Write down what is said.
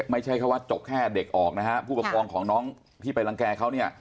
ไม่ใช่แค่ว่าจบแค่เด็กออกนะฮะผู้ปกครองของน้องที่ไปรังแก่เขาเนี่ย